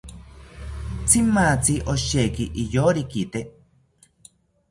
Tzimatzi osheki iyorikite